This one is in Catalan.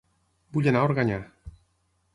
Vull anar a Organyà